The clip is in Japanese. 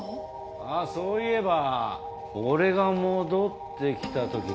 ああそういえば俺が戻ってきた時時矢の奴